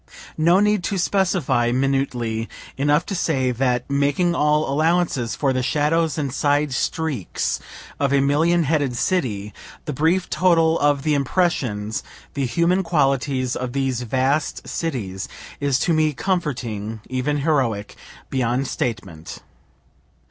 No need to specify minutely enough to say that (making all allowances for the shadows and side streaks of a million headed city) the brief total of the impressions, the human qualities, of these vast cities, is to me comforting, even heroic, beyond statement.